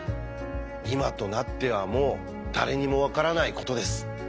今となってはもう誰にも分からないことです。